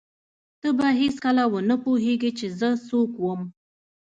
ته به هېڅکله ونه پوهېږې چې زه څوک وم.